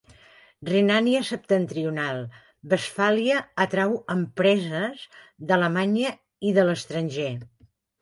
Renània septentrional-Westfàlia atrau empreses d'Alemanya i de l'estranger.